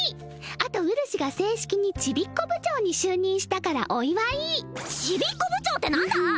あとうるしが正式にちびっこ部長に就任したからお祝いちびっこ部長って何だ！